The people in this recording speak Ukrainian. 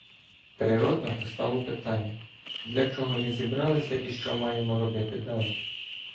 Природно постало питання: для чого ми зібралися і що маємо робити далі?